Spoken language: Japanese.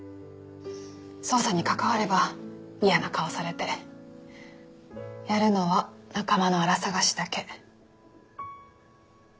捜査に関われば嫌な顔をされてやるのは仲間のあら探しだけ。